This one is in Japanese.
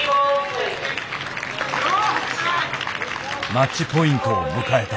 マッチポイントを迎えた。